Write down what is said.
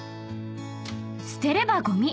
［捨てればごみ。